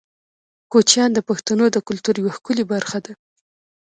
کوچیان د پښتنو د کلتور یوه ښکلې برخه ده.